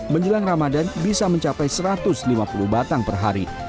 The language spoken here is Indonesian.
menjelang ramadan bisa mencapai satu ratus lima puluh batang per hari